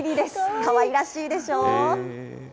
かわいらしいでしょう？